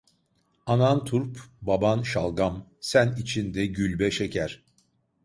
Anan turp, baban şalgam, sen içinde gülbe şeker.